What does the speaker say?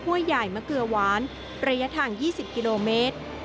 ้วยใหญ่มะเกลือหวานระยะทาง๒๐กิโลเมตร